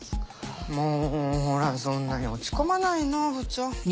もうほらそんなに落ち込まないの部長。